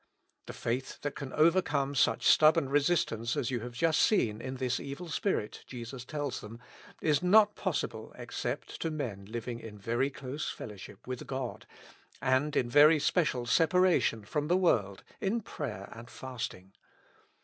The faith that can overcome such stubborn resistance as you have just seen in this evil spirit Jesus tells them, is not possible except to men living in very close fellowship with God, and in very special separation from the world in prayer and fast ing.